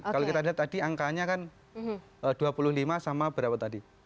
kalau kita lihat tadi angkanya kan dua puluh lima sama berapa tadi